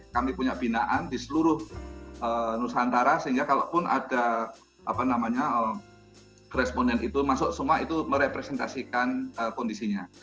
kami punya binaan di seluruh nusantara sehingga kalaupun ada responden itu masuk semua itu merepresentasikan kondisinya